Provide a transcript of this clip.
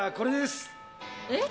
えっ？